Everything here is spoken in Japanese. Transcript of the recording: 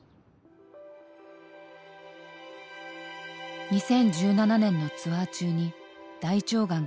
２０１７年のツアー中に大腸がんが判明。